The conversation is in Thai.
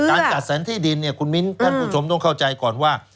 การจัดสรรที่ดินเนี่ยคุณมิ้นท่านผู้ชมต้องเข้าใจก่อนว่า